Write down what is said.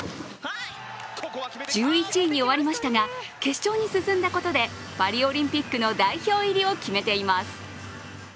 １１位に終わりましたが決勝に進んだことでパリオリンピックの代表入りを決めています。